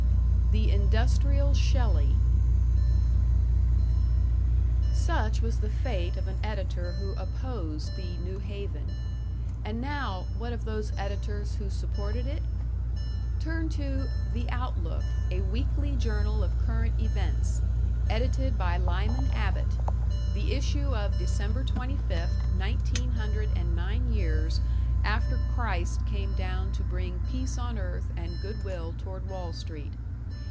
#The Industrial Shelley# Such was the fate of an editor who opposed the "New Haven". And now, what of those editors who supported it? Turn to "The Outlook, a Weekly Journal of Current Events," edited by Lyman Abbott the issue of Dec. 25th, nineteen hundred and nine years after Christ came down to bring peace on earth and good will toward Wall Street.